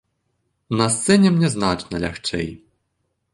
На сцэне мне значна лягчэй.